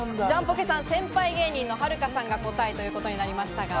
ジャンポケさん先輩芸人のはるかさんが答えということになりました。